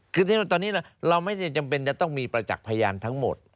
คือตอนนี้เราไม่ได้จำเป็นจะต้องมีประจักษ์พยานทั้งหมด